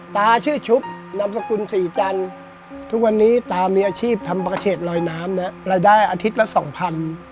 ตาชื่อชุบนามสกุลศรีจันทร์ทุกวันนี้ตามีอาชีพทำประแขตลอยน้ำนะรายได้อาทิตย์ละสองพัน